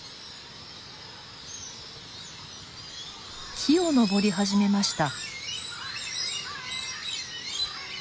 木を登り始めました。